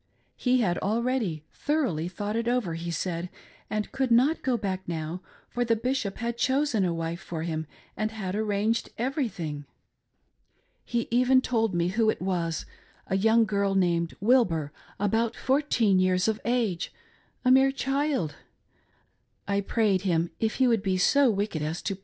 He had already thoroughly thought it over, he said, and could not go back now, for the Bishop had chosen a wife for him and had arranged everything. He even told me who it was — a young girl named Wilbur, about fourteen years of age: — a mere child. I prayed him if he would be so wicked as to.